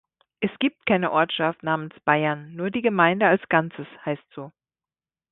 Es gibt keine Ortschaft namens Baiern, nur die Gemeinde als Ganzes heißt so.